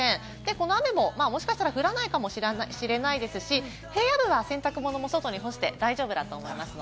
この雨ももしかしたら降らないかもしれないですし、平野部は洗濯も外に干して大丈夫だと思います。